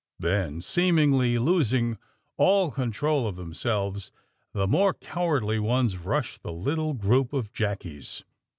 Then, seemingly losing all control of them selves the more cowardly ones rushed the little group of jackies.